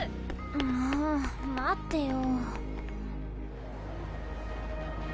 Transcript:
もう待ってよ。